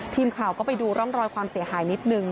ทีมข่าวก็ไปดูร่องรอยความเสียหายนิดนึง